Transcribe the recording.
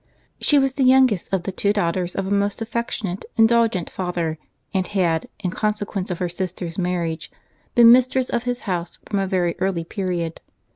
She was the youngest of the two daughters of a most affectionate, indulgent father; and had, in consequence of her sister's marriage, been mistress of his house from a very early period.